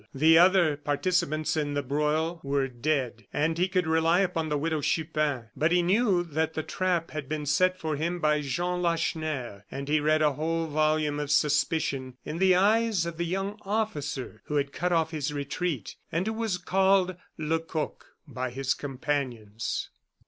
The other participants in the broil were dead, and he could rely upon the Widow Chupin. But he knew that the trap had been set for him by Jean Lacheneur; and he read a whole volume of suspicion in the eyes of the young officer who had cut off his retreat, and who was called Lecoq by his companions.